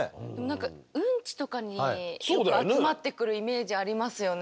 何かウンチとかに集まってくるイメージありますよね。